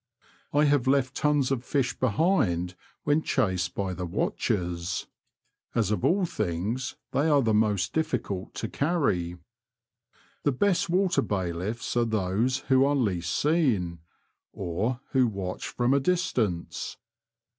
I have left tons of fish behind when chased by the watchers, as of all The Confessions of a Poacher, 103 things they are the most difficult to carry. The best water bailiffs are those who are least seen, or who watch from a distance.